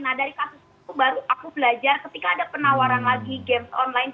nah dari kasus itu baru aku belajar ketika ada penawaran lagi games online